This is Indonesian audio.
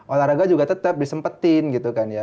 olahraga juga tetap disempetin gitu kan ya